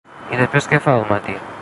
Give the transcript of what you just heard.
I després què fa, al matí?